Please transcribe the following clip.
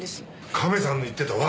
カメさんの言ってた罠